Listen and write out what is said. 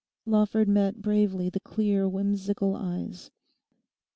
Lawford met bravely the clear whimsical eyes.